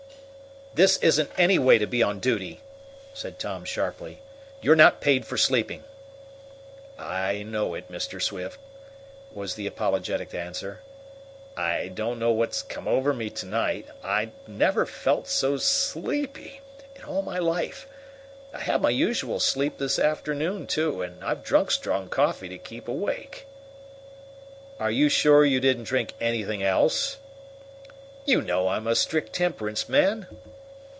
"This isn't any way to be on duty!" said Tom sharply. "You're not paid for sleeping!" "I know it, Mr. Swift," was the apologetic answer. "I don't know what's come over me to night. I never felt so sleepy in all my life. I had my usual sleep this afternoon, too, and I've drunk strong coffee to keep awake." "Are you sure you didn't drink anything else?" "You know I'm a strict temperance man."